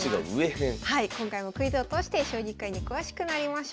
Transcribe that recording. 今回もクイズを通して将棋界に詳しくなりましょう。